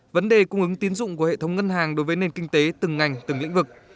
vấn đề cung ứng tiến dụng của hệ thống ngân hàng đối với nền kinh tế từng ngành từng lĩnh vực